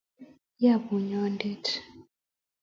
ya bunyondit